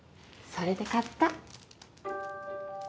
それで買った